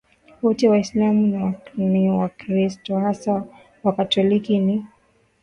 wote Waislamu ni Wakristo hasa Wakatoliki ni